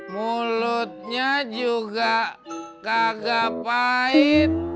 mulutnya juga kagak pahit